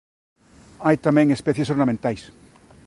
Hai tamén especies ornamentais.